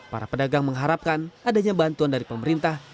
para pedagang mengharapkan adanya bantuan dari pemerintah